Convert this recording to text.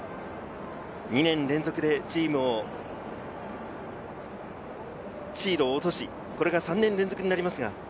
２年連続でシードを落とし、これが３年連続になります。